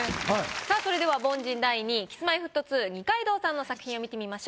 さあそれでは凡人第２位Ｋｉｓ−Ｍｙ−Ｆｔ２二階堂さんの作品を見てみましょう。